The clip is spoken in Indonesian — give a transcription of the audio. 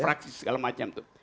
fraksi segala macam tuh